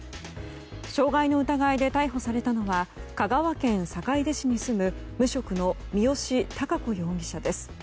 傷害の疑いで逮捕されたのは香川県坂出市に住む無職の三好貴子容疑者です。